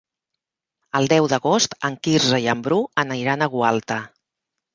El deu d'agost en Quirze i en Bru aniran a Gualta.